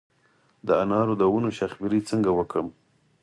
د انارو د ونو شاخه بري څنګه وکړم؟